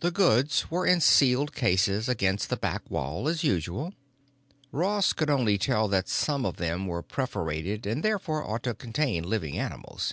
The goods were in sealed cases against the back wall as usual. Ross could only tell that some of them were perforated and therefore ought to contain living animals.